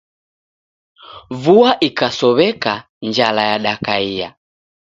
Vua ikasow'eka, njala yadakaia